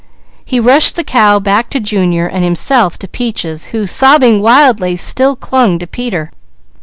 He rushed the cow back to Junior, and himself to Peaches, who, sobbing wildly, still clung to Peter.